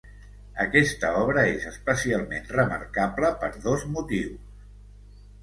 Aquesta obra és especialment remarcable per dos motius.